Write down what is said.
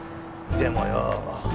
でもよ